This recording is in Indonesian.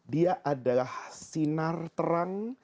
dia adalah sinar terang